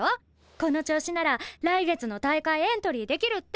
この調子なら来月の大会エントリーできるって！